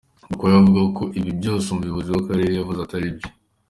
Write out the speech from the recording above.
Gakwaya avuga ko ibi byose umuyobozi w’akarere yavuze atari byo.